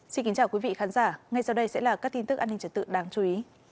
xin kính chào quý vị khán giả ngay sau đây sẽ là các tin tức an ninh trật tự đáng chú ý